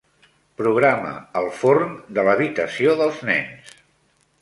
Programa el forn de l'habitació dels nens.